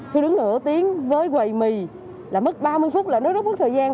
thư đứng nửa tiếng với quầy mì là mất ba mươi phút là nó rất mất thời gian